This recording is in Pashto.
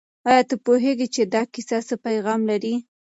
آیا ته پوهېږې چې دا کیسه څه پیغام لري؟